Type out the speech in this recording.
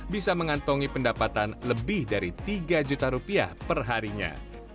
bisa mengantongi pendapatan lebih dari tiga juta rupiah perharinya